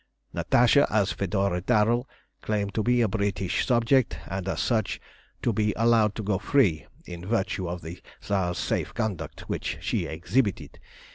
Natasha, as Fedora Darrel, claimed to be a British subject, and, as such, to be allowed to go free in virtue of the Tsar's safe conduct, which she exhibited.